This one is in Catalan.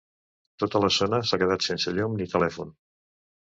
Tota la zona s’ha quedat sense llum ni telèfon.